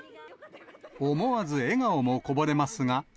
思わず笑顔もこぼれますが。